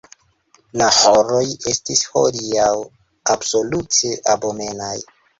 La ĥoroj estis hodiaŭ absolute abomenaj.